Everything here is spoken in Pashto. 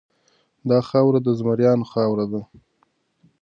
دا خاوره د زمریانو خاوره ده.